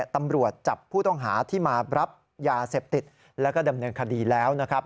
ตำรวจจับผู้ต้องหาที่มารับยาเสพติดแล้วก็ดำเนินคดีแล้วนะครับ